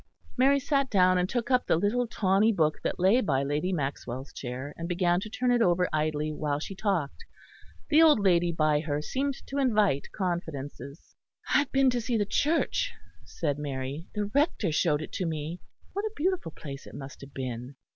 Mary sat down and took up the little tawny book that lay by Lady Maxwell's chair, and began to turn it over idly while she talked. The old lady by her seemed to invite confidences. "I have been to see the church," said Mary. "The Rector showed it to me. What a beautiful place it must have been."